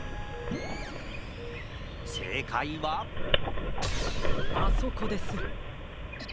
せいかいはあそこです。